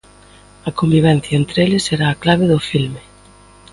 A convivencia entre eles será a clave do filme.